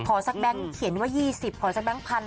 สักแบงค์เขียนว่า๒๐ขอสักแบงค์พัน